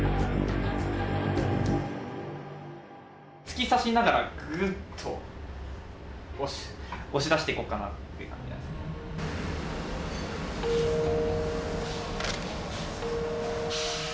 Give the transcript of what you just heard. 突き刺しながらぐぐっと押し出していこうかなっていう感じです。